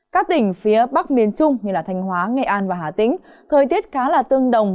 các tỉnh phía bắc miền trung như thanh hóa nghệ an và hà tĩnh thời tiết khá là tương đồng